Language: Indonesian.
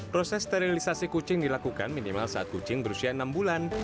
proses sterilisasi kucing dilakukan minimal saat kucing berusia enam bulan